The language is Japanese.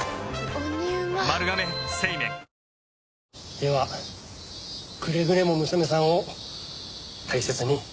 ではくれぐれも娘さんを大切に。